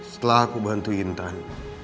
setelah aku bantu intan